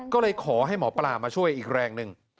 ก็เลยขอให้หมอปลามาช่วยอีกแรงหนึ่ง